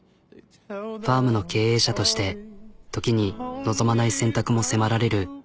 ファームの経営者として時に望まない選択も迫られる。